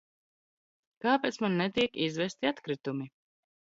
Kāpēc man netiek izvesti atkritumi?